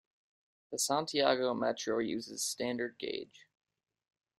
The Santiago Metro uses standard gauge.